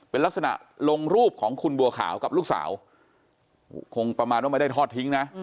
เป็นลักษณะลงรูปของคุณบัวขาวกับลูกสาวคงประมาณว่าไม่ได้ทอดทิ้งนะ